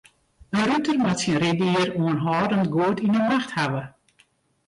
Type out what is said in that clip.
In ruter moat syn ryddier oanhâldend goed yn 'e macht hawwe.